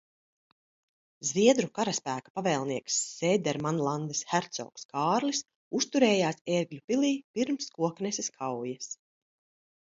Zviedru karaspēka pavēlnieks Sēdermanlandes hercogs Kārlis uzturējās Ērgļu pilī pirms Kokneses kaujas.